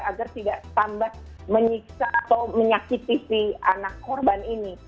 agar tidak tambah menyiksa atau menyakiti si anak korban ini